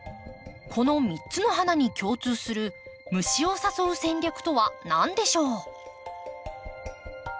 この３つの花に共通する虫を誘う戦略とは何でしょう？